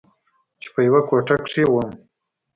چې په يوه کوټه کښې وم.